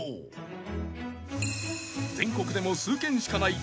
［全国でも数軒しかない］